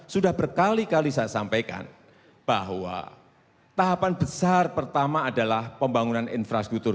sudah berkali kali saya sampaikan bahwa tahapan besar pertama adalah pembangunan infrastruktur